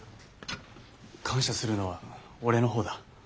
感謝するのは俺の方だ。